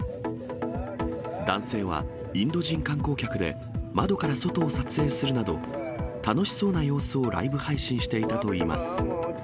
男性は、インド人観光客で、窓から外を撮影するなど、楽しそうな様子をライブ配信していたといいます。